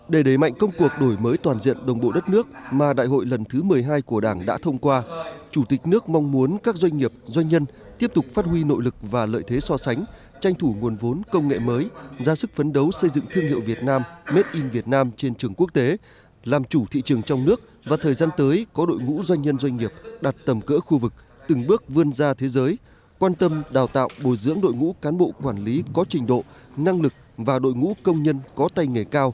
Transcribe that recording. để đẩy mạnh công cuộc đổi mới toàn diện đồng bộ đất nước mà đại hội lần thứ một mươi hai của đảng đã thông qua chủ tịch nước mong muốn các doanh nghiệp doanh nhân tiếp tục phát huy nội lực và lợi thế so sánh tranh thủ nguồn vốn công nghệ mới ra sức phấn đấu xây dựng thương hiệu việt nam made in việt nam trên trường quốc tế làm chủ thị trường trong nước và thời gian tới có đội ngũ doanh nhân doanh nghiệp đặt tầm cỡ khu vực từng bước vươn ra thế giới quan tâm đào tạo bồi dưỡng đội ngũ cán bộ quản lý có trình độ năng lực và đội ngũ công